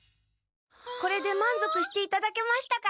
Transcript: これでまんぞくしていただけましたか？